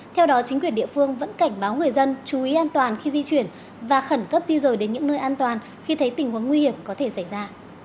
theo đó chính quyền địa phương vẫn cảnh báo người dân chú ý an toàn khi di chuyển và khẩn cấp di rời đến những nơi an toàn khi thấy tình huống nguy hiểm có thể xảy ra